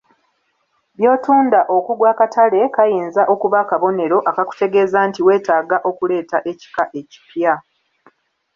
By’otunda okugwa akatale kayinza okuba akabonero akakutegeeza nti weetaaga okuleeta ekika ekipya.